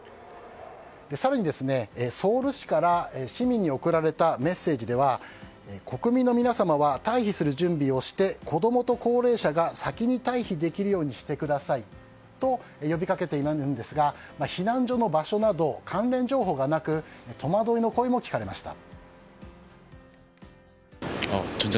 更に、ソウル市から市民に送られたメッセージでは国民の皆様は退避する準備をして子供と高齢者が先に退避できるようにしてくださいと呼びかけていたんですが避難所の場所など関連情報がなく戸惑いの声が聞かれました。